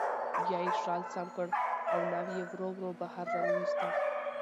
بیا یې شال سم کړ او ناوې یې ورو ورو بهر راوویسته